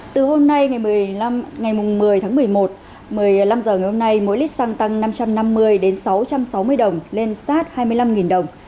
từ hôm nay ngày một mươi tháng một mươi một một mươi năm h ngày hôm nay mỗi lít xăng tăng năm trăm năm mươi sáu trăm sáu mươi đồng lên sát hai mươi năm đồng